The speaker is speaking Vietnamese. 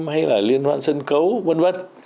hay là liên hoan sân cấu v v